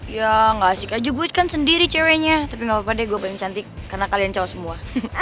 ya gak asik aja guet kan sendiri ceweknya tapi gak apa apa deh gue paling cantik karena kalian cowok semua